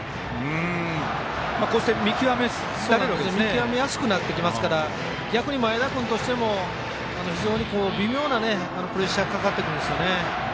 見極めやすくなってきますから逆に前田君としても非常に微妙なかかってくるんですよね。